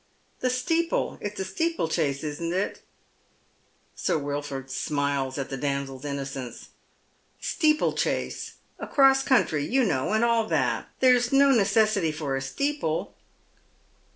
" The steeple. It's a steeplechase, isn't it? Sir Wilford smiles at the damsel's innocence. " Steeplechase — across country, you know, and all that. There'* no necessity for a steeple."